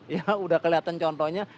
ya sudah kelihatan contohnya